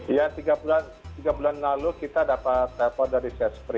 iya tiga bulan lalu kita dapat telepon dari sespri